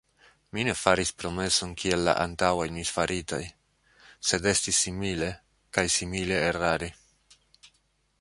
Mi ne faris promeson kiel la antaŭaj misfaritaj; sed estis simile, kaj simile erare.